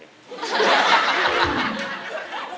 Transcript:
น้องแขม